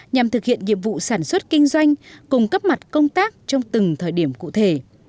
nhằm thực hiện nhiệm vụ sản xuất kinh doanh cung cấp mặt công tác trong từng thời điểm cụ thể